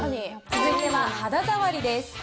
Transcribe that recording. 続いては肌触りです。